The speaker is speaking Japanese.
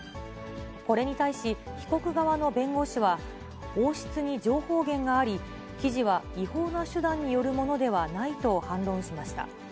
これに対し被告側の弁護士は、王室に情報源があり、記事は違法な手段によるものではないと反論しました。